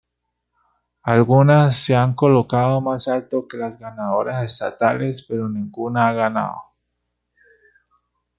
Algunas se han colocado más alto que las ganadoras estatales, pero ninguna a ganado.